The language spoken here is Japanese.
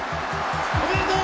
おめでとう！